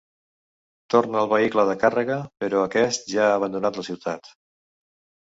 Torna al vehicle de càrrega, però aquest ja ha abandonat la ciutat.